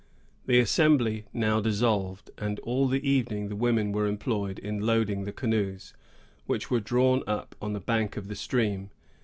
The assembly now dissolved, and all the evening the women were employed in loading the canoes, which were drawn up on the bank of the stream.